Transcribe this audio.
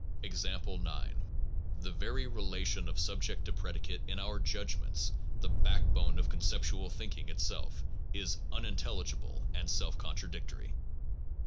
Example 9. The very relation of subject to predicate in our judgments, the backbone of con ceptual thinking itself, is unintelligible and self contradictory.